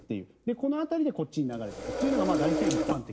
この辺りでこっちに流れていくのが大体、一般的。